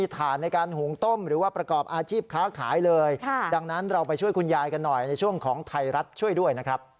ไทรัชช่วยด้วย